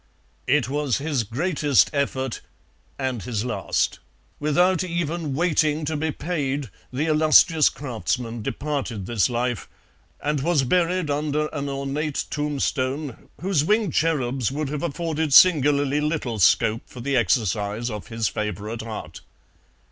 "It was his greatest effort, and his last. Without even waiting to be paid, the illustrious craftsman departed this life, and was buried under an ornate tombstone, whose winged cherubs would have afforded singularly little scope for the exercise of his favourite art.